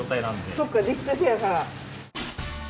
そっかできたてやから。